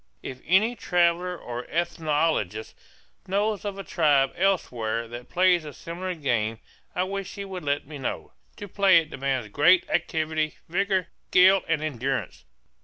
If any traveller or ethnologist knows of a tribe elsewhere that plays a similar game, I wish he would let me know. To play it demands great activity, vigor, skill, and endurance.